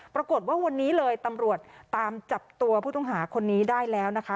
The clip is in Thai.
ปรากฏว่าวันนี้เลยตำรวจตามจับตัวผู้ต้องหาคนนี้ได้แล้วนะคะ